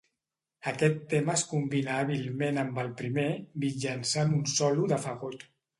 Aquest tema es combina hàbilment amb el primer mitjançant un solo de fagot.